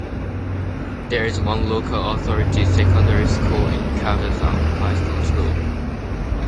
There is one local authority secondary school in Caversham, Highdown School.